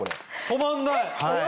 止まんない！